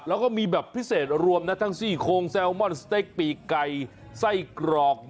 แล้วก็มีแบบพิเศษรวมนะทั้งซี่โคงแซลมอนสเต็กปีกไก่ไส้กรอก